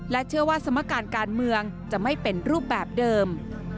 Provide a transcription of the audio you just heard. เชื่อว่าสมการการเมืองจะไม่เป็นรูปแบบเดิม